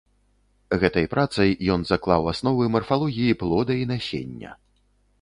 Гэтай працай ён заклаў асновы марфалогіі плода і насення.